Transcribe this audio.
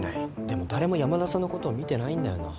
でも誰も山田さんのことを見てないんだよな